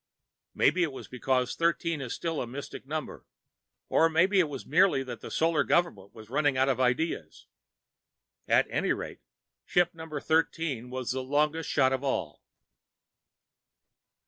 Maybe it was because thirteen was still a mystic number, or maybe it was merely that the Solar Government was running out of ideas. At any rate, ship Number Thirteen was the longest shot of all.